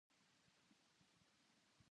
遠くで鐘の音がした。